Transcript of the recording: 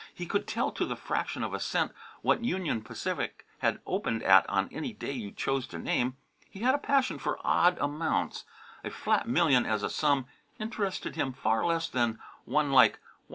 He could tell to the fraction of a cent what Union Pacific had opened at on any day you chose to name. He had a passion for odd amounts. A flat million as a sum interested him far less than one like $107.69 3/4.